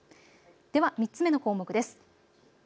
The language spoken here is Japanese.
では３つ目の項目です。